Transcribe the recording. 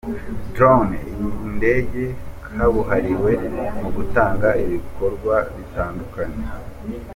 Drone indege kabuhariwe mu gutata ibikorwa bitandukanye.